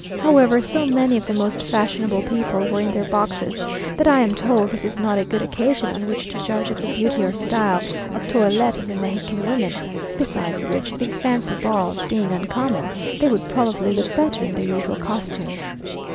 However, so many of the most fashionable people were in their boxes, that I am told this is not a good occasion on which to judge of the beauty or style of toilet of the Mexican women; besides which, these fancy balls being uncommon, they would probably look better in their usual costume.